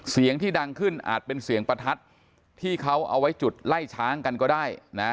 เสียงที่ดังขึ้นอาจเป็นเสียงประทัดที่เขาเอาไว้จุดไล่ช้างกันก็ได้นะ